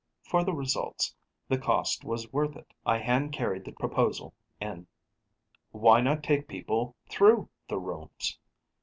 For the results, the cost was worth it. I hand carried the proposal in. Why not take people through the rooms?